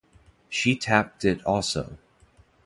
She tapped it also.